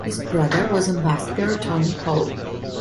His brother was Ambassador Tony Hall.